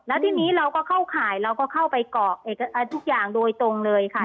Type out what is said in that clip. แล้วทีนี้เราก็เข้าข่ายเราก็เข้าไปเกาะทุกอย่างโดยตรงเลยค่ะ